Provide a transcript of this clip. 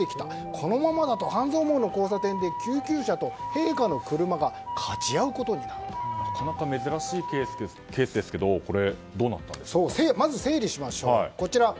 このままだと半蔵門の交差点で救急車となかなか珍しいケースですがまず整理しましょう。